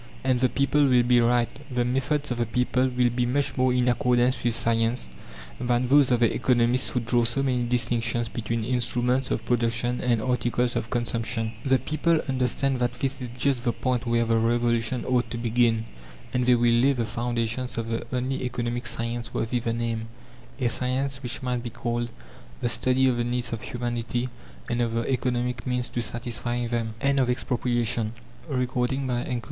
And the people will be right. The methods of the people will be much more in accordance with science than those of the economists who draw so many distinctions between instruments of production and articles of consumption. The people understand that this is just the point where the Revolution ought to begin; and they will lay the foundations of the only economic science worthy the name a science which might be called: "The Study of the Needs of Humanity, and of the Economic Means to satisfy them." FOOTNOTE: "Shabble of a Duk